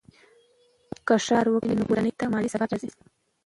که ښځه کار وکړي، نو کورنۍ ته مالي ثبات راځي.